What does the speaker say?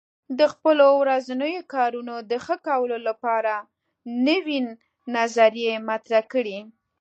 د خپلو ورځنیو کارونو د ښه کولو لپاره نوې نظریې مطرح کړئ.